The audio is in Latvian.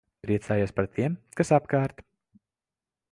Priecājies par tiem, kas apkārt.